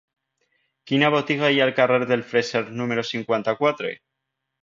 Quina botiga hi ha al carrer del Freser número cinquanta-quatre?